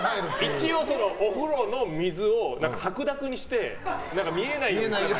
一応お風呂の水を白濁にして見えないようにして。